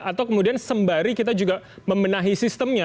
atau kemudian sembari kita juga membenahi sistemnya